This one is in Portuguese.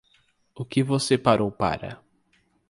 O que você parou para?